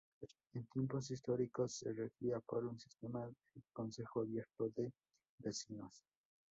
En tiempos históricos se regía por un sistema de concejo abierto de vecinos.